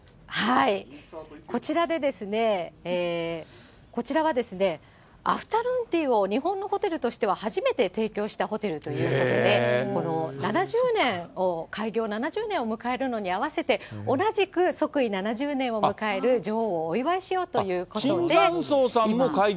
こちらで、こちらは、アフタヌーンティーを日本のホテルとしては初めて提供されたホテルということで、開業７０年を迎えるのに合わせて、同じく即位７０年を迎える女王をお祝いしようということで。